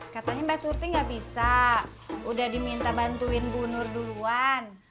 katanya mbak surti nggak bisa udah diminta bantuin bu nur duluan